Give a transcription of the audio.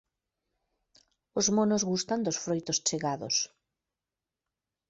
Os monos gustan dos froitos chegados.